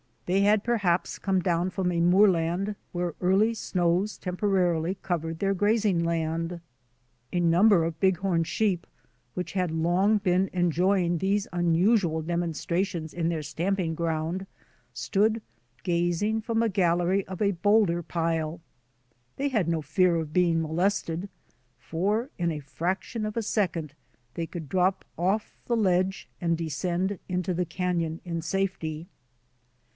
They had perhaps come down from a moorland where early snows temporarily covered their grazing land. A num ber of Bighorn sheep, which had long been enjoying these unusual demonstrations in their stamping ground, stood gazing from a gallery of a boulder pile. They had no fear of being molested, for in a fraction of a second they could drop off the ledge and descend into the canon in safety.